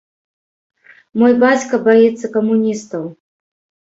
Мой бацька баіцца камуністаў.